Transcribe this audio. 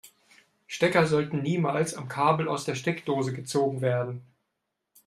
Stecker sollten niemals am Kabel aus der Steckdose gezogen werden.